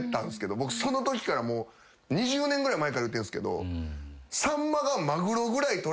僕そのときから２０年ぐらい前から言ってるんすけど。